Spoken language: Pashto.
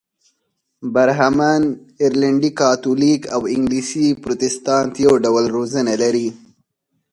برهمن، ارلنډي کاتولیک او انګلیسي پروتستانت یو ډول روزنه لري.